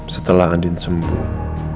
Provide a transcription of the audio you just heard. setelah andin sembuh